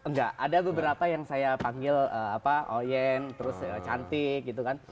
enggak ada beberapa yang saya panggil oyen terus cantik gitu kan